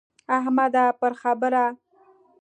احمده! پر خبره تله تېره کړه ـ ډنډوره کوه يې مه.